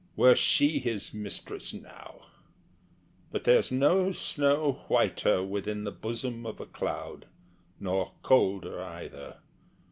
Were she his mistress, now! but there's no snow Whiter within the bosom of a cloud, Nor colder either.